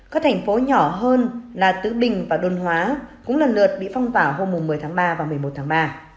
các thành phố nhỏ hơn là tự bình và đôn hóa cũng lần lượt bị phong tỏa hôm một mươi tháng ba và một mươi một tháng ba